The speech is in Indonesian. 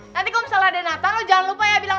nanti kalau misalnya ada natal jangan lupa ya bilang